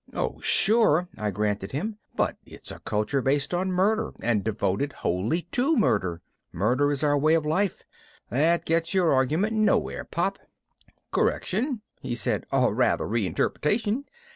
"Oh sure," I granted him, "but it's a culture based on murder and devoted wholly to murder. Murder is our way of life. That gets your argument nowhere, Pop." "Correction," he said. "Or rather, re interpretation."